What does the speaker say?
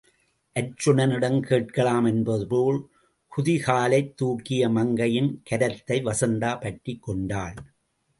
அர்ச்சுனனிடம் கேட்கலாம் என்பதுபோல் குதிகாலைத் தூக்கிய மங்கையின் கரத்தை வசந்தா பற்றிக் கொண்டாள்.